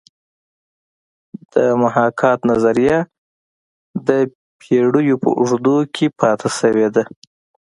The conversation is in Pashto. د محاکات نظریه د پیړیو په اوږدو کې پاتې شوې ده